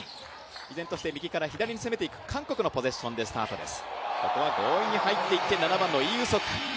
依然として右から左に攻めていく、韓国のポゼッションでスタートです。